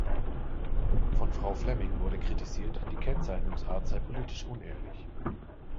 Von Frau Flemming wurde kritisiert, die Kennzeichnungsart sei politisch unehrlich.